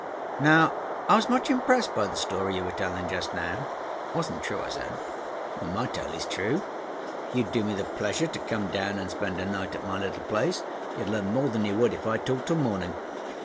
Now, I was much impressed by the story you were telling just now." "It wasn't true," I said. "My tale is true. If you would do me the pleasure to come down and spend a night at my little place, you'd learn more than you would if I talked till morning.